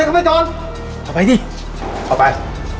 เข้าไปสิเข้าไป